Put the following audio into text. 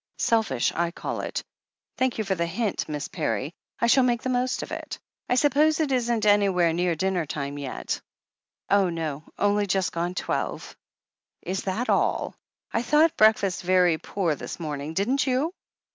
Selfish I call it. Thank you for the hint, Miss Parry. I shall make the most of it. I suppose it isn't anywhere near dinner time yet?" 'Oh, no ! Only just gone twelve." Is that all? I thought the breakfast very poor this morning, didn't you?"